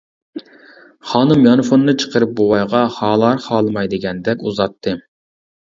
خانىم يانفونىنى چىقىرىپ بوۋايغا خالار-خالىماي دېگەندەك ئۇزاتتى.